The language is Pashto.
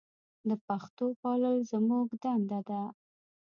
د پښتو پالل زموږ دنده ده.